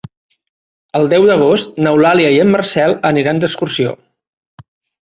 El deu d'agost n'Eulàlia i en Marcel aniran d'excursió.